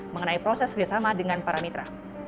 mengenai proses kerjasama dengan para mitra